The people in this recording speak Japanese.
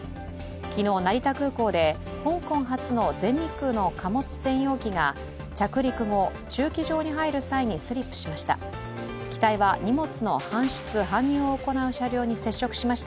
昨日、成田空港で香港発の全日空の貨物船容機が着陸後、駐機場に入る際にスリップしました。